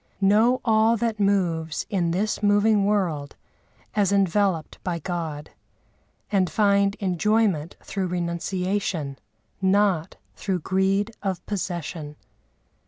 (Know all that moves in this moving world as enveloped by God; and find enjoyment through renunciation, not through greed of possession.)